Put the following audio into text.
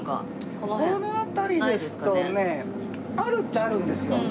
この辺りですとねあるっちゃあるんですよ。